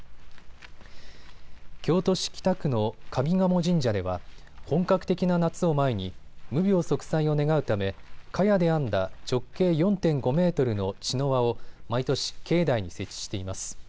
京都市北区の上賀茂神社では本格的な夏を前に無病息災を願うためかやで編んだ直径４．５メートルの茅の輪を毎年、境内に設置しています。